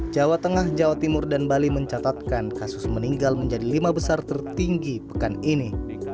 jawa tengah jawa timur dan bali mencatatkan kasus meninggal menjadi lima besar tertinggi pekan ini